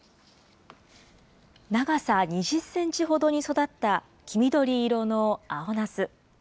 長さ２０センチほどに育った黄緑色の青なす。